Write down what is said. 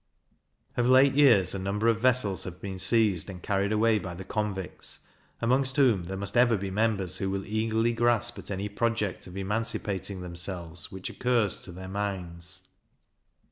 Of late years, a number of vessels have been seized and carried away by the convicts, amongst whom there must ever be numbers who will eagerly grasp at any project of emancipating themselves which occurs to their minds.